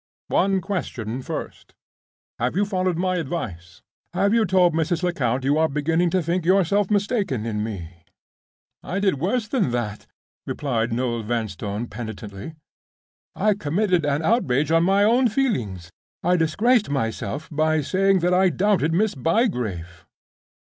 —One question first. Have you followed my advice? Have you told Mrs. Lecount you are beginning to think yourself mistaken in me?" "I did worse than that," replied Noel Vanstone penitently. "I committed an outrage on my own feelings. I disgraced myself by saying that I doubted Miss Bygrave!"